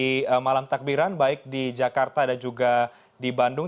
di malam takbiran baik di jakarta dan juga di bandung